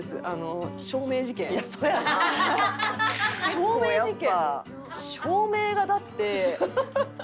照明事件。